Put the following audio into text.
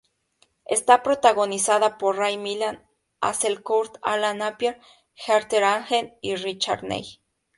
Está protagonizada por Ray Milland, Hazel Court, Alan Napier, Heather Angel y Richard Ney.